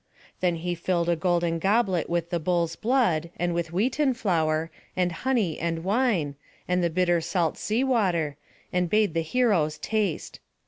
Then he filled a golden goblet with the bull's blood, and with wheaten flour, and honey, and wine, and the bitter salt sea water, and bade the heroes taste.